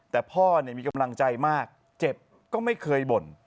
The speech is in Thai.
แต่พ่อมีกำลังใจมากเจ็บก็ไม่เคยบ่น